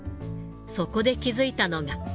そこで気付いたのが。